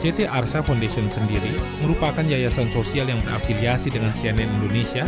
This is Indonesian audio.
ct arsa foundation sendiri merupakan yayasan sosial yang berafiliasi dengan cnn indonesia